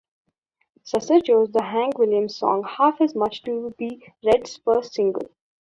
Susser chose the Hank Williams song "Half As Much" to be Redd's first single.